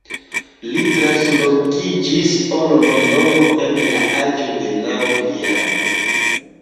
Li translokiĝis al Londono en la aĝo de naŭ jaroj.